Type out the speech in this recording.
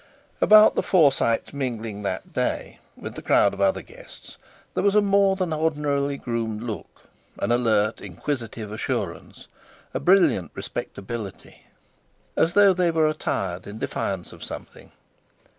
About the Forsytes mingling that day with the crowd of other guests, there was a more than ordinarily groomed look, an alert, inquisitive assurance, a brilliant respectability, as though they were attired in defiance of something.